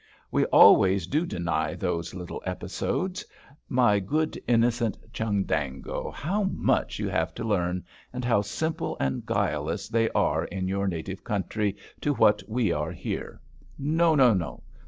We always do deny those little episodes. My good innocent Chundango, how much you have to learn, and how simple and guileless they are in your native country to what we are here! No, no!